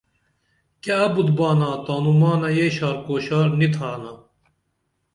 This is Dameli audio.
کیہ ابُت بانا تانوں مانا یہ شار کو شار نی تھانا